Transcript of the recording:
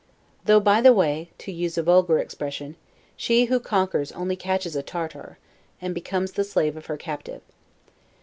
Though, by the way (to use a vulgar expression), she who conquers only catches a Tartar, and becomes the slave of her captive.